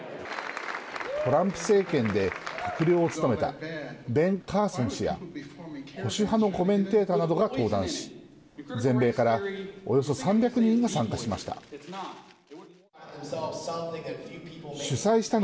トランプ政権で閣僚を務めたベン・カーソン氏や保守派のコメンテーターなどが登壇し全米からおよそ３００人が参加しました。